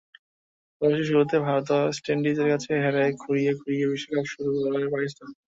অবশ্য শুরুতে ভারত-ওয়েস্ট ইন্ডিজের কাছে হেরে খুঁড়িয়ে খুঁড়িয়েই বিশ্বকাপ শুরু করে পাকিস্তান।